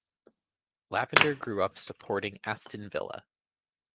Lavender grew up supporting Aston Villa.